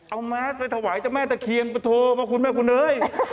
เอาแมสไปถวายเจ้าแม่ตะเคียนไปโทรมาคุณแม่คุณเอ้ย